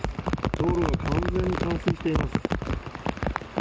道路が完全に冠水しています。